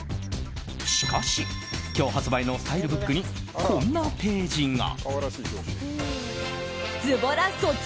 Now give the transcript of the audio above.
しかし、今日発売のスタイルブックにこんなページが。